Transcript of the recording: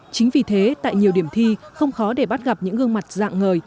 chính vì thế tại nhiều điểm thi không khó để bắt gặp những gương mặt dạng ngời